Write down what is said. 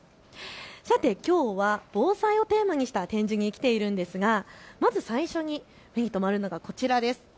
さて、きょうは防災をテーマにした展示に来ているんですがまず最初に目に留まるのがこちらです。